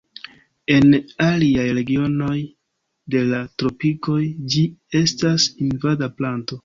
En aliaj regionoj de la Tropikoj ĝi estas invada planto.